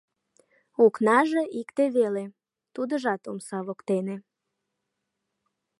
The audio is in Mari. Окнаже икте веле, тудыжат — омса воктене.